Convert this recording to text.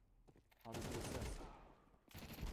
How did you assist?